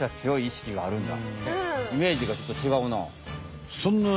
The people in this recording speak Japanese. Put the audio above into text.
イメージがちょっとちがうな。